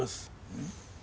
うん？